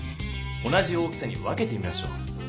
同じ大きさに分けてみましょう。